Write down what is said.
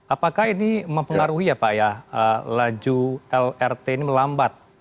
apakah ini mempengaruhi ya pak ya laju lrt ini melambat